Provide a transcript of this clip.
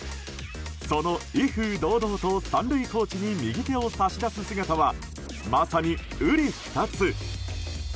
その威風堂々と３塁コーチに右手を差し出す姿はまさに、うり二つ。